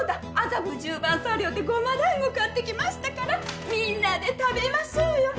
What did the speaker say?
麻布十番茶寮で胡麻団子買ってきましたからみんなで食べましょうよ。